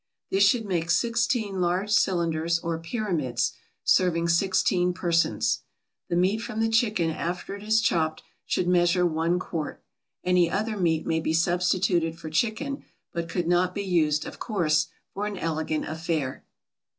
This should make sixteen large cylinders or pyramids, serving sixteen persons. The meat from the chicken after it is chopped should measure one quart. Any other meat may be substituted for chicken, but could not be used, of course, for an elegant affair.